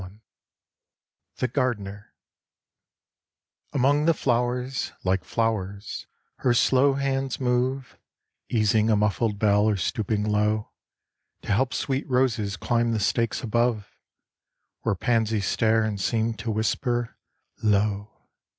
171 THE GARDENER Among the flowers, like flowers, her slow hands move Easing a muffled bell or stooping low To help sweet roses climb the stakes above, Where pansies stare and seem to whisper "Lo!"